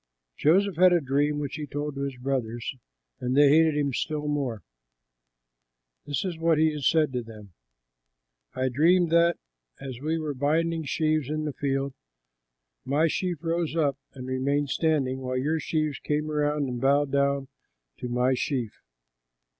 Joseph had a dream which he told to his brothers; and they hated him still more. This is what he said to them, "I dreamed that, as we were binding sheaves in the field, my sheaf rose up and remained standing, while your sheaves came around and bowed down to my sheaf."